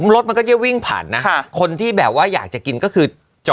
รถมันก็จะวิ่งผ่านนะคนที่แบบว่าอยากจะกินก็คือจอด